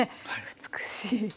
美しい。